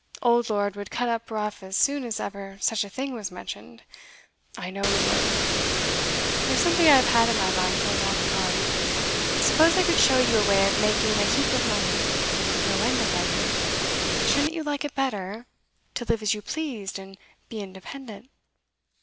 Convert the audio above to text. Old Lord would cut up rough as soon as ever such a thing was mentioned; I know he would. There's something I have had in my mind for a long time. Suppose I could show you a way of making a heap of money no end of money ? Shouldn't you like it better, to live as you pleased, and be independent?